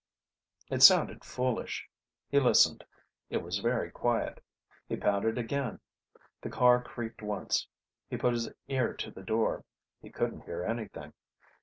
It sounded foolish. He listened. It was very quiet. He pounded again. The car creaked once. He put his ear to the door. He couldn't hear anything.